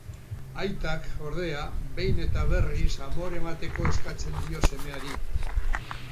Aitak, ordea, behin eta berriz amore emateko eskatzen dio semeari.